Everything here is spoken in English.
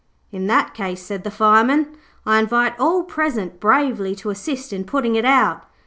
'In that case,' said the Fireman, 'I invite all present bravely to assist in putting it out.